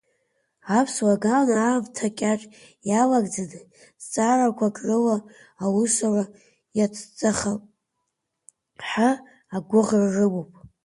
Аԥсуа ган аамҭа кьаҿ иалагӡаны, зҵаарақәак рыла аусура иацҵахап ҳәа агәыӷра рымоуп.